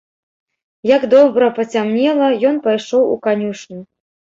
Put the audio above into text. Як добра пацямнела, ён пайшоў у канюшню.